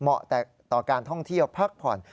เหมาะแต่ต่อการท่องเที่ยวพักผ่อน